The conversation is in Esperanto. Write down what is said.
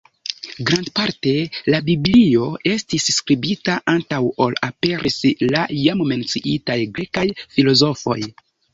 Grandparte la biblio estis skribita antaŭ ol aperis la jam menciitaj grekaj filozofoj.